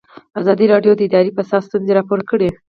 ازادي راډیو د اداري فساد ستونزې راپور کړي.